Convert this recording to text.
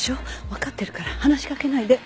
わかってるから話しかけないで。